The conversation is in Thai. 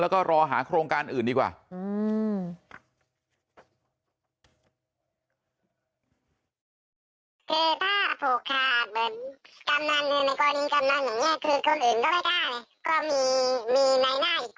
แล้วก็รอหาโครงการอื่นดีกว่า